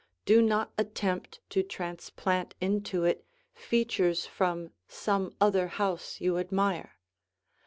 Do not attempt to transplant into it features from some other house you admire.